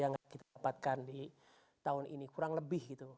yang kita dapatkan di tahun ini kurang lebih gitu